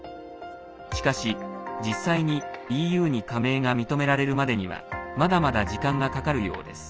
しかし、実際にＥＵに加盟が認められるまでにはまだまだ時間がかかるようです。